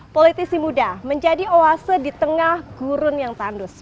politisi muda menjadi oase di tengah gurun yang tandus